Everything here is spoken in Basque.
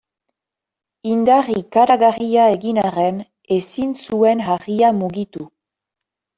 Indar ikaragarria egin arren ezin zuen harria mugitu.